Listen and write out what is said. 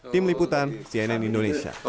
tim liputan cnn indonesia